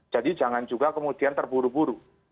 jadi jangan juga kemudian terburu buru